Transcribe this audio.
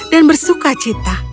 dan bersuka cita